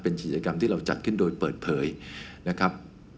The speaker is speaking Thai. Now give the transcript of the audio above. เป็นกิจกรรมที่เราจัดขึ้นโดยเปิดเผยนะครับ